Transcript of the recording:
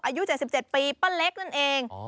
อายุ๗๗ปีป้าเล็กนั่นเอง